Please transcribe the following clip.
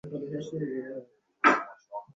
তিনি পরিসাংখ্যিক গতিবিদ্যার জন্ম দেন।